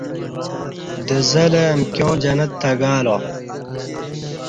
دزہ لہ امکیاں جنت تہ گالو